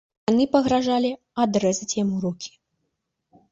Яны пагражалі адрэзаць яму рукі.